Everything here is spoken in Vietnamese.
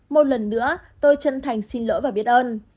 một lần nữa tôi chân thành xin lỗi và biết ơn